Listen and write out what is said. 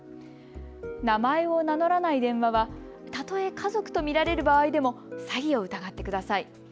名前を名乗らない電話はたとえ家族と見られる場合でも詐欺を疑ってください。